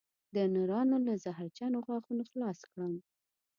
د نرانو له زهرجنو غاښونو خلاص کړم